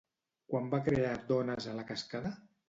Quan va crear Dones a la Cascada?